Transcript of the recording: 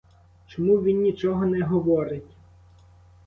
Чому він нічого не говорить?